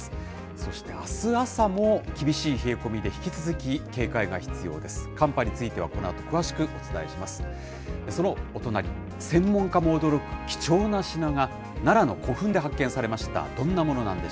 そして、あす朝も厳しい冷え込みで、引き続き、警戒が必要です。